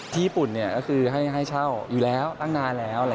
ญี่ปุ่นก็คือให้เช่าอยู่แล้วตั้งนานแล้ว